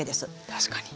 確かに。